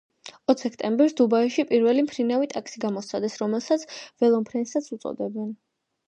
ოც სექტემბერს დუბაიში პირველი მფრინავი ტაქსი გამოსცადეს, რომელსაც ველომფრენსაც უწოდებენ.